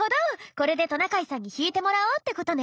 これでトナカイさんに引いてもらおうってことね。